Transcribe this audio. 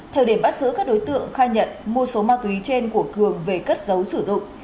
thời điểm bắt giữ các đối tượng khai nhận mua số ma túy trên của cường về cất giấu sử dụng